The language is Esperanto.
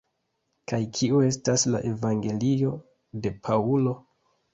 Kaj kiu estas la evangelio de Paŭlo?